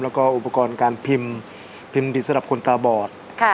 แล้วก็อุปกรณ์การพิมพ์พิมพ์ดีสำหรับคนตาบอด